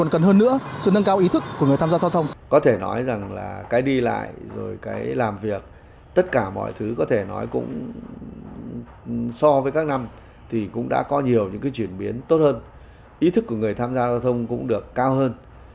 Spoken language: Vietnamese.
có thể nói rằng là cái đi lại rồi cái làm việc tất cả mọi thứ có thể nói cũng so với các năm thì cũng đã có nhiều những cái chuyển biến tốt hơn ý thức của người tham gia giao thông cũng được cao hơn